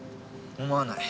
思わない。